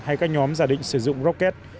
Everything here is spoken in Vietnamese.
hay các nhóm giả định sử dụng rocket